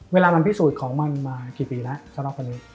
เวลามันพิสูจน์ของมันมากี่ปีแล้วสำหรับคนนี้